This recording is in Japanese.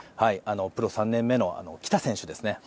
プロ３年目の来田選手ですね。